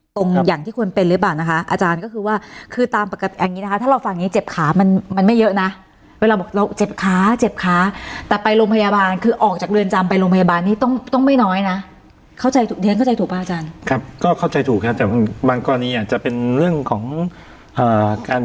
อย่างที่ควรเป็นหรือเปล่านะคะอาจารย์ก็คือว่าคือตามปกติอย่างงี้นะคะถ้าเราฟังอย่างงี้เจ็บขามันมันไม่เยอะนะเวลาบอกเราเจ็บขาเจ็บขาแต่ไปโรงพยาบาลคือออกจากเรือนจำไปโรงพยาบาลนี้ต้องต้องไม่น้อยนะเข้าใจเรียนเข้าใจถูกป่ะอาจารย์ครับก็เข้าใจถูกครับแต่บางกรณีอาจจะเป็นเรื่องของอ่าการ